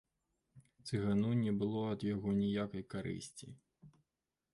Цыгану не было ад яго ніякай карысці.